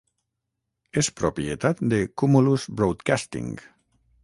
És propietat de Cumulus Broadcasting.